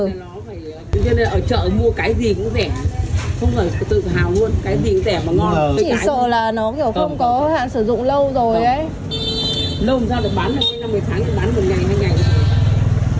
nên là ở chợ mua cái gì cũng rẻ không phải tự hào luôn cái gì cũng rẻ và ngon